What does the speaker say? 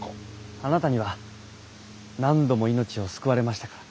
あなたには何度も命を救われましたから。